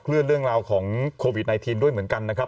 เลื่อนเรื่องราวของโควิด๑๙ด้วยเหมือนกันนะครับ